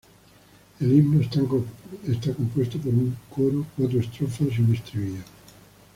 El himno está compuesto por un coro, cuatro estrofas y un estribillo.